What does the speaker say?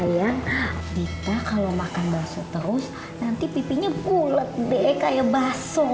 ayah dita kalau makan bakso terus nanti pipinya bulet deh kayak bakso